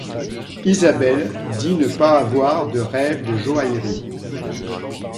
Isabel dit ne pas avoir de rêve de joaillerie.